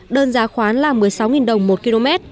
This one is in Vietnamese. đơn giá khoán là một mươi sáu đồng một km